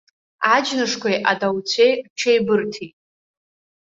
Аџьнышқәеи адауцәеи рҽеибырҭеит.